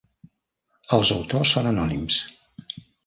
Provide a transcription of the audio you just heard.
Els autors són anònims.